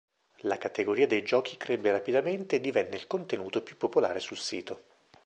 La categoria dei giochi crebbe rapidamente e divenne il contenuto più popolare sul sito.